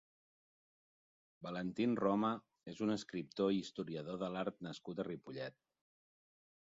Valentín Roma és un escriptor i historiador de l'art nascut a Ripollet.